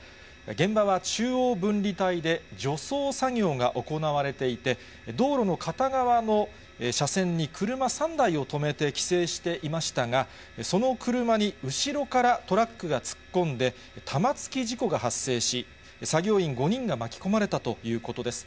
現場は中央分離帯で、除草作業が行われていて、道路の片側の車線に車３台を止めて規制していましたが、その車に後ろからトラックが突っ込んで、玉突き事故が発生し、作業員５人が巻き込まれたということです。